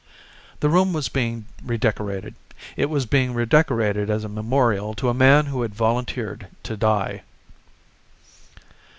The room was being redecorated. It was being redecorated as a memorial to a man who had volunteered to die.